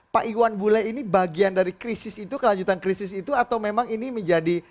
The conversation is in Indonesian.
pak iwan bule ini bagian dari krisis itu kelanjutan krisis itu atau memang ini menjadi